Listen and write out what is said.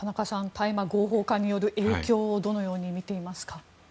大麻合法化による影響をどのようにみていますか？